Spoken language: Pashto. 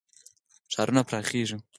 ښارونه پراخیږي.